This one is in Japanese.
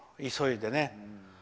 急いでね。